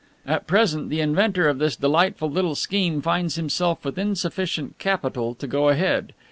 At present the inventor of this delightful little scheme finds himself with insufficient capital to go ahead.